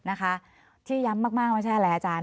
นะคะที่ย้ำมากไม่ใช่อะไรอาจารย์